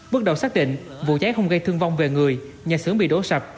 bước đầu xác định vụ cháy không gây thương vong về người nhà xưởng bị đổ sập